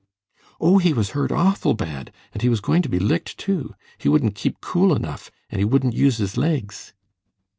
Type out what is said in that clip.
"Oh, he was hurt awful bad, and he was going to be licked, too. He wouldn't keep cool enough, and he wouldn't use his legs."